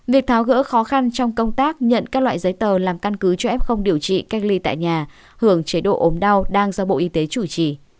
việc tháo gỡ khó khăn trong công tác nhận các loại giấy tờ làm căn cứ cho f điều trị cách ly tại nhà hưởng chế độ ốm đau đang do bộ y tế chủ trì